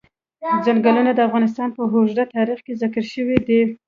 چنګلونه د افغانستان په اوږده تاریخ کې ذکر شوی دی.